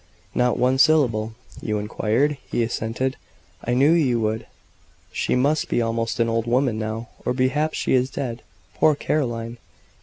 "Not one syllable." "You inquired?" He assented. "I knew you would. She must be almost an old woman now, or perhaps she is dead. Poor Caroline!"